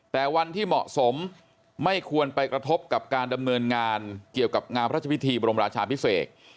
แต่วันที่เหมาะสมไม่ควรไปกระทบกับการดำเนินงานเกี่ยวกับงานพระเจ้าพิธีบรมราชาพิเศษ